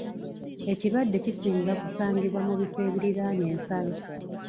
Ekirwadde kisinga kusangibwa mu bifo ebiriraanye ensalo.